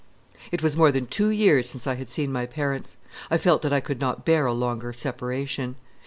It was more than two years since I had seen my parents. I felt that I could not bear a longer separation.